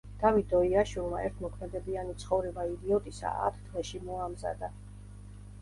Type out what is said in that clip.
დავით დოიაშვილმა ერთ მოქმედებიანი „ცხოვრება იდიოტისა“ ათ დღეში მოამზადა.